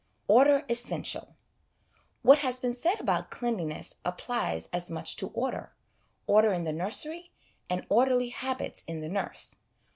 Order Essential. What has been said about cleanliness applies as much to order order in the nursery, and orderly habits in the nurse.